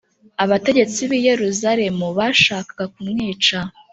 abategetsi b’i yeruzalemu bashakaga kumwica